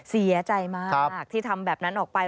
เสียใจมากที่ทำแบบนั้นออกไป